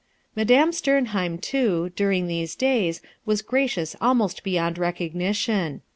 Madame Sternheim, too, during these days was gracious almost beyond recognition.